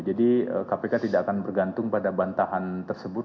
jadi kpk tidak akan bergantung pada bantahan tersebut